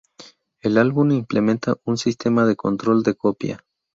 El álbum implementa un sistema de control de copia.